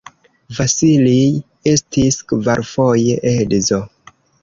Vasilij estis kvarfoje edzo.